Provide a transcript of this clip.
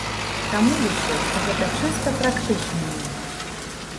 Таму, лічу, што гэта чыста практычны момант.